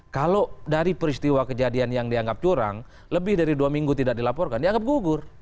kalau dari peristiwa kejadian yang dianggap curang lebih dari dua minggu tidak dilaporkan dianggap gugur